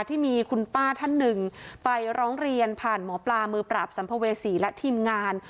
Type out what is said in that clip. ที่มีคุณป้าท่านหนึ่งไปร้องเรียนผ่านหมอปลามือปราบสัมภเวษีและทีมงาน